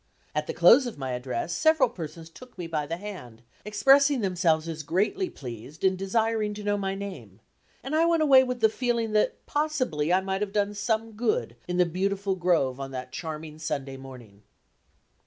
At the close of my address several persons took me by the hand, expressing themselves as greatly pleased and desiring to know my name; and I went away with the feeling that possibly I might have done some good in the beautiful grove on that charming Sunday morning.